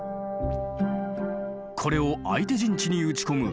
これを相手陣地に打ち込む